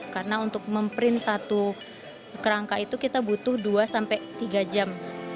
karena untuk memprint satu rangka itu kita butuh dua tiga jam